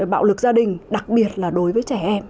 bạo lực gia đình đặc biệt là đối với trẻ em